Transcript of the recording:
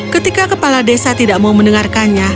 ketika kepala desa tidak mau mendengarkannya